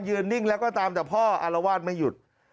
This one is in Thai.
นิ่งแล้วก็ตามแต่พ่ออารวาสไม่หยุด